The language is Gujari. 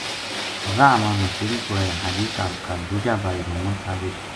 راہ ما نوسیری کولے حاجی صاحب کا دُوجا بھائی محمد ساجد